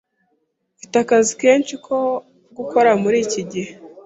Mfite akazi kenshi ko gukora muri iki gihe.